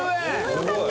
よかった！